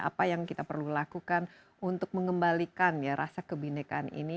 apa yang kita perlu lakukan untuk mengembalikan ya rasa kebinekaan ini